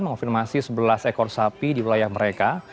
mengonfirmasi sebelas ekor sapi di wilayah mereka